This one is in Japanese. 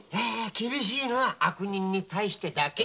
厳しいのは悪人に対してだけ。